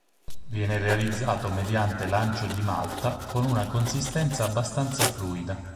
Viene realizzato mediante lancio di malta con una consistenza abbastanza fluida.